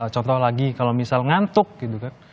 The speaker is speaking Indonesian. contoh lagi kalau misal ngantuk gitu kan